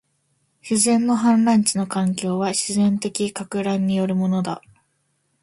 自然の氾濫地の環境は、自然的撹乱によるものだ